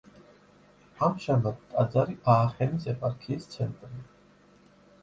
ამჟამად ტაძარი აახენის ეპარქიის ცენტრია.